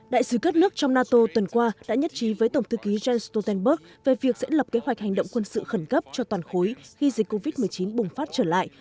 đại sứ các nước trong nato tuần qua đã nhất trí với tổng thư ký jens stoltenberg về việc sẽ lập kế hoạch hành động quân sự khẩn cấp cho toàn khối khi dịch covid một mươi chín bùng phát trở lại